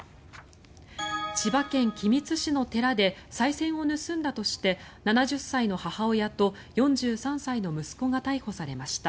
千葉県君津市の寺でさい銭を盗んだとして７０歳の母親と４３歳の息子が逮捕されました。